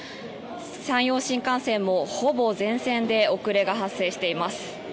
山陽新幹線もほぼ全線で遅れが発生しています。